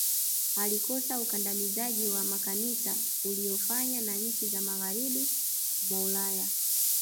alikosoa ukandamizaji wa makanisa uliyofanya na nchi za magharibi mwa ulaya